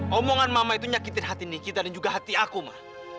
omongan mama itu nyakitin hati nikita dan juga hati aku mah